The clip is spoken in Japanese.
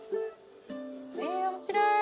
え面白い。